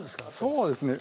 そうですね